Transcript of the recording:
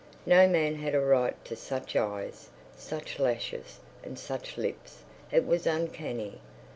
No man had a right to such eyes, such lashes, and such lips; it was uncanny.